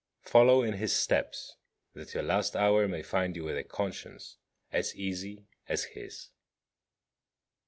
Follow in his steps that your last hour may find you with a conscience as easy as his.